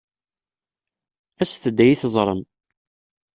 Aset-d ad iyi-teẓṛem.